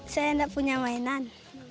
saya tidak punya mainan